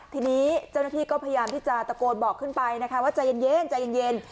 ทีนี้เจ้าหน้าที่ก็พยายามที่จะตะโกนบอกขึ้นไปนะคะว่าใจเย็นใจเย็น